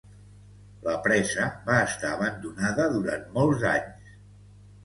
La presa va estar abandonada durant molts anys.